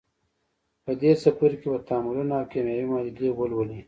په دې څپرکي کې به تعاملونه او کیمیاوي معادلې ولولئ.